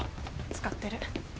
使ってる。